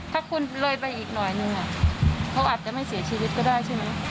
ถ้าคุณเลยไปอีกหน่อยนึงเขาอาจจะไม่เสียชีวิตก็ได้ใช่ไหม